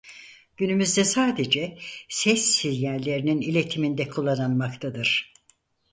Günümüzde sadece ses sinyallerinin iletiminde kullanılmaktadır.